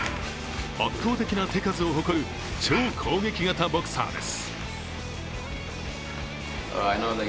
圧倒的な手数を誇る超攻撃型ボクサーです。